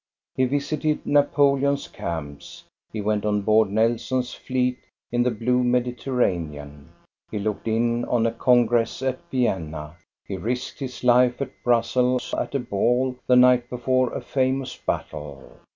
He visited Napoleon's camps, he went on board Nelson's fleet in the blue Mediterranean, he looked in on a congress at Vienna, he risked his life at Brussels at a ball the night before a famous battle.